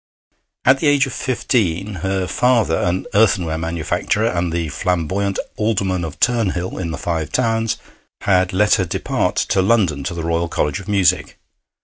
At the age of fifteen her father, an earthenware manufacturer, and the flamboyant Alderman of Turnhill, in the Five Towns, had let her depart to London to the Royal College of Music.